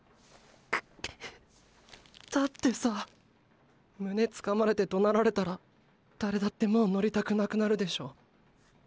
ーーだってさ胸つかまれてどなられたら誰だってもう乗りたくなくなるでしょ。